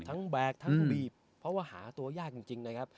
แบกทั้งบีบเพราะว่าหาตัวยากจริงนะครับ